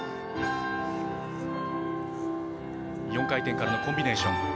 ４回転からのコンビネーション。